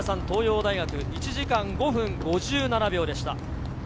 東洋大、１時間５分５７秒でした。